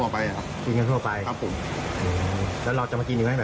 ปกตินะคะเพราะว่าเป็นของทานได้ค่ะ